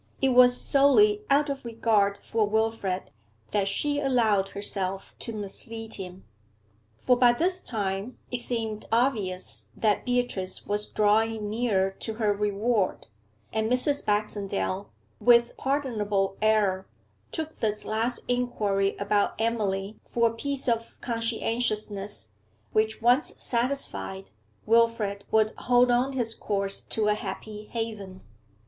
It was solely out of regard for Wilfrid that she allowed herself to mislead him, for by this time it seemed obvious that Beatrice was drawing near to her reward, and Mrs. Baxendale, with pardonable error, took this last inquiry about Emily for a piece of conscientiousness, which, once satisfied, Wilfrid would hold on his course to a happy haven.